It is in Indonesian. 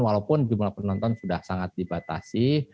walaupun jumlah penonton sudah sangat dibatasi